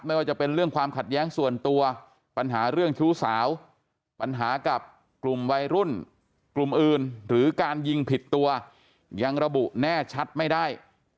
ไม่ว่าจะเป็นเรื่องความขัดแย้งส่วนตัวปัญหาเรื่องชู้สาวปัญหากับกลุ่มวัยรุ่นกลุ่มอื่นหรือการยิงผิดตัวยังระบุแน่ชัดไม่ได้